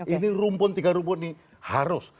ini rumpun tiga rumpun ini harus